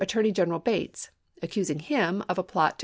torney Gfeneral Bates, accusing him of a plot to Lincoln?